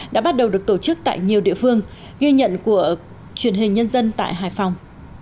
đã bắt đầu được tổ chức tại nhiều địa phương ghi nhận của truyền hình nhân dân tại hải phòng